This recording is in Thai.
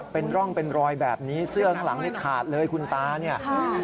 เป็นร่องเป็นรอยแบบนี้เสื้อข้างหลังนี่ขาดเลยคุณตาเนี่ย